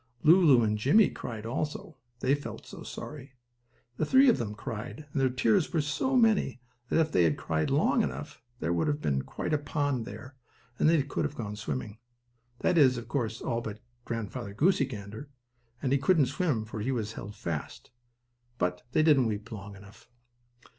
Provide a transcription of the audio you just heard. Lulu and Jimmie cried also, they felt so sorry. The three of them cried, and their tears were so many that if they had cried long enough there would have been quite a pond there, and they could have gone in swimming. That is, of course, all but Grandfather Goosey Gander, and he couldn't swim for he was held fast. But they didn't weep long enough.